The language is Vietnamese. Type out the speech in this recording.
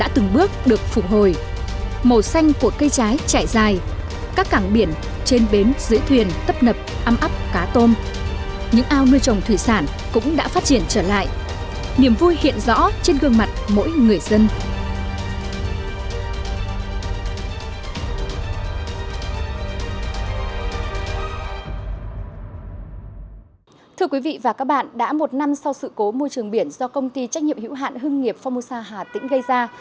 thưa quý vị và các bạn đã một năm sau sự cố môi trường biển do công ty trách nhiệm hữu hạn hương nghiệp phomosa hà tĩnh gây ra